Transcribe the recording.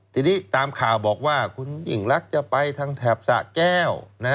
ทีนี้ตามข่าวบอกว่าคุณยิ่งรักจะไปทางแถบสะแก้ว